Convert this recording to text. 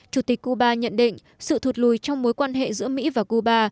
chủ tịch cuba nhận định sự thụt lùi trong mối quan hệ giữa mỹ và cuba